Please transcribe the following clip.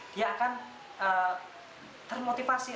dia akan termotivasi